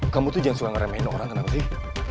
kamu tuh jangan suka ngeremahin orang kenapa sih